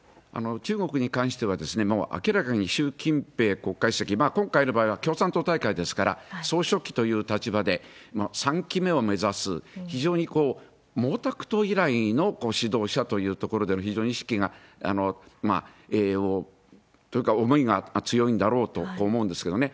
中国に関しては、明らかに習近平国家主席、今回の場合は共産党大会ですから、総書記という立場で、３期目を目指す、非常に、毛沢東以来の指導者というところでの非常に意識が、というか思いが強いんだろうと思うんですけどね。